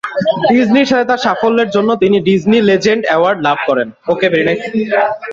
ডিজনির সাথে তার সাফল্যের জন্য তিনি ডিজনি লেজেন্ড অ্যাওয়ার্ড লাভ করেন।